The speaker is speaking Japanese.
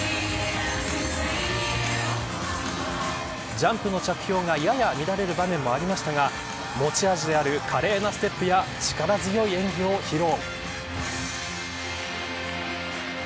ジャンプの着氷がやや乱れる場面もありましたが持ち味である華麗なステップや力強い演技を披露。